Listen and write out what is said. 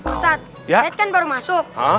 ustadz saya kan baru masuk